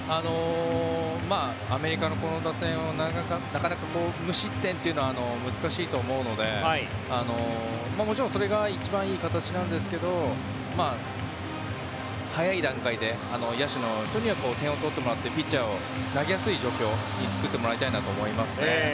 アメリカのこの打線を無失点というのはなかなか難しいと思うのでもちろんそれが一番いい形なんですけど早い段階で野手の人には点を取ってもらってピッチャーが投げやすい状況を作ってもらいたいと思います。